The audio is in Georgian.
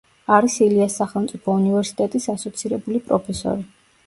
არის ილიას სახელმწიფო უნივერსიტეტის ასოცირებული პროფესორი.